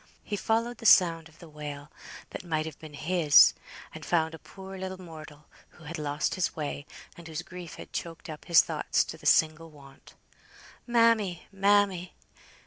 He followed the sound of the wail, that might have been his, and found a poor little mortal, who had lost his way, and whose grief had choked up his thoughts to the single want, "Mammy, mammy."